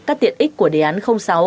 các tiện ích của đề án sáu